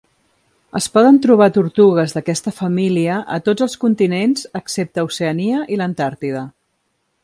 Es poden trobar tortugues d'aquesta família a tots els continents excepte Oceania i l'Antàrtida.